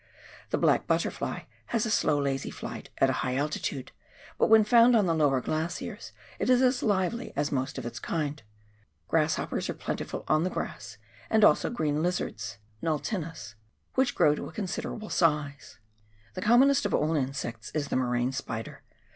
The black butterfly has a slow lazy flight at a high altitude, but when found on the lower glaciers it is as lively as most of its kind. Grasshoppers are plentiful on the grass, and also green lizards (Wmiltimcs), which grow to a consider able size. The commonest of all insects is the moraine spider.